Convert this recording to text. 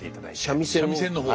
三味線の方？